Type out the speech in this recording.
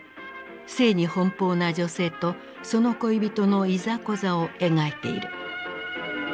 性に奔放な女性とその恋人のいざこざを描いている。